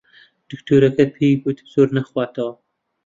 دکتۆرەکە پێی گوت زۆر نەخواتەوە.